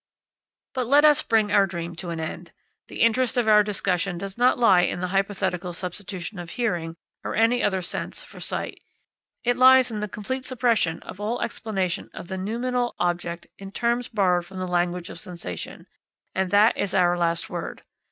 But let us bring our dream to an end. The interest of our discussion does not lie in the hypothetical substitution of hearing or any other sense for sight. It lies in the complete suppression of all explanation of the noumenal object in terms borrowed from the language of sensation. And that is our last word.